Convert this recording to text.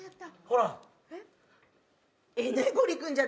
ほら。